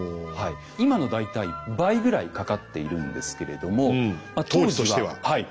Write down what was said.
今の大体倍ぐらいかかっているんですけれども当時としてははい。